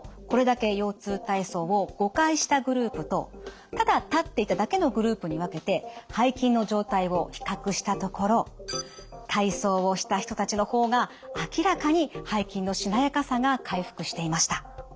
これだけ腰痛体操を５回したグループとただ立っていただけのグループに分けて背筋の状態を比較したところ体操をした人たちの方が明らかに背筋のしなやかさが回復していました。